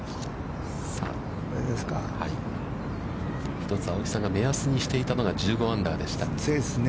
ひとつ青木さんが目安にしていたのが１５アンダーでした。ですね。